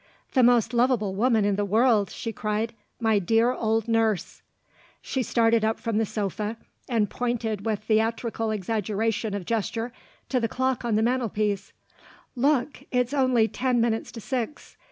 "The most lovable woman in the world," she cried; "my dear old nurse!" She started up from the sofa, and pointed with theatrical exaggeration of gesture to the clock on the mantelpiece. "Look! it's only ten minutes to six.